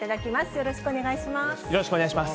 よろしくお願いします。